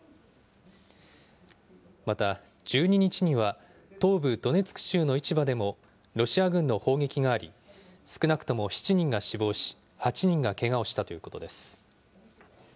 また、１２日には、東部ドネツク州の市場でもロシア軍の砲撃があり、少なくとも７人が死亡し、８人がけがをしたということです。